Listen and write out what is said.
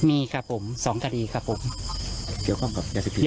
มีครับผมสองคดีครับผมเกี่ยวข้องกับยาเสพติด